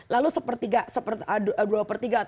lalu sepertiga dua per tiga atau seperempat